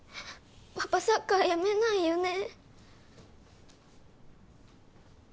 パパサッカー辞めないよね